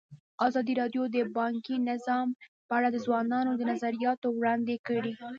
ازادي راډیو د بانکي نظام په اړه د ځوانانو نظریات وړاندې کړي.